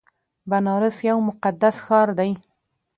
بنارس یو مقدس ښار دی.